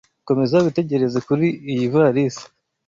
Komeza witegereze kuri iyivalisi.